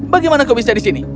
bagaimana kau bisa di sini